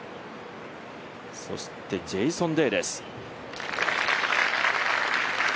そしてジェイソン・デイです